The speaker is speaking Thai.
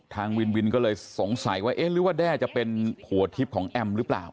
ทางวินวินก็เลยสงสัยว่าเอ๊ะหรือว่าแด้จะเป็นหัวทิพย์ของแอมหรือเปล่า